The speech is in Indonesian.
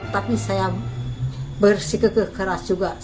tapi saya bersikap keras juga